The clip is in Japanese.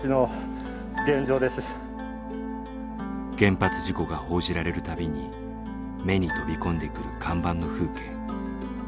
原発事故が報じられるたびに目に飛び込んでくる看板の風景。